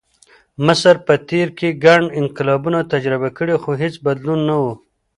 مصر په تېر کې ګڼ انقلابونه تجربه کړي، خو هېڅ بدلون نه و.